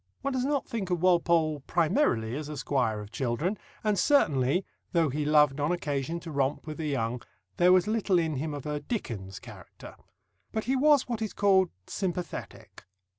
One does not think of Walpole primarily as a squire of children, and certainly, though he loved on occasion to romp with the young, there was little in him of a Dickens character. But he was what is called "sympathetic."